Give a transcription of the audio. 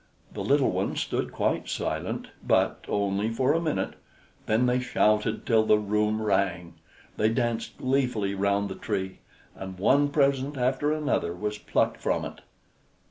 The little ones stood quite silent, but only for a minute; then they shouted till the room rang: they danced gleefully round the Tree, and one present after another was plucked from it.